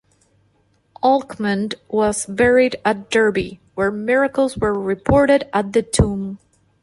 Alkmund was buried at Derby, where miracles were reported at the tomb.